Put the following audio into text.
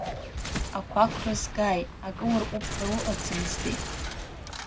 Ақәақәра згааит, акы уарҟәып ҳәа уҟаӡамызтеи?!